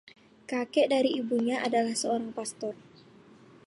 Kakek dari ibunya adalah seorang pastor.